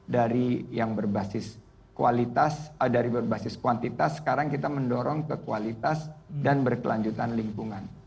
dari yang berbasis kualitas dari berbasis kuantitas sekarang kita mendorong ke kualitas dan berkelanjutan lingkungan